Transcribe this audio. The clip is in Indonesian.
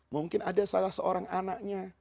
mungkin ada salah seorang anaknya